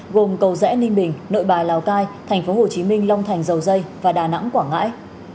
gồm cầu rẽ ninh bình nội bài lào cai tp hcm long thành dầu dây và đà nẵng quảng ngãi